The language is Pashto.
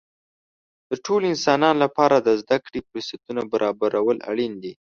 د ټولو انسانانو لپاره د زده کړې فرصتونه برابرول اړین دي.